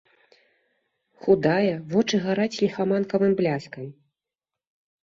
Худая, вочы гараць ліхаманкавым бляскам.